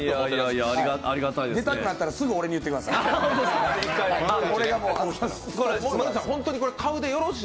出たくなったらすぐ俺に言ってください。